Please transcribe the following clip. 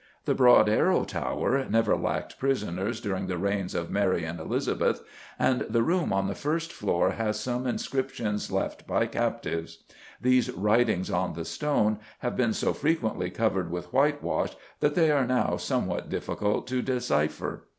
The Broad Arrow Tower never lacked prisoners during the reigns of Mary and Elizabeth, and the room on the first floor has some inscriptions left by captives; these writings on the stone have been so repeatedly covered with whitewash that they are now somewhat difficult to decipher.